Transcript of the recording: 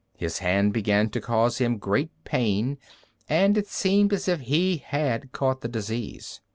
His hand began to cause him great pain, and it seemed as if he had caught the disease.